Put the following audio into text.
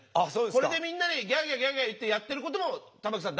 これでみんなでギャーギャーギャーギャーいってやってることも玉木さん